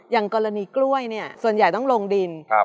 อย่างกรณีกล้วยเนี่ยส่วนใหญ่ต้องลงดิน